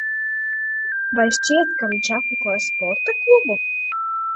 Vai šķiet, ka viņš apmeklē sporta klubu?